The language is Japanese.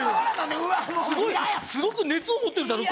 すごく熱を持ってるだろ